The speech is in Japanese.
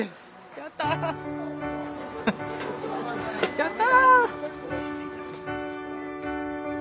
やった！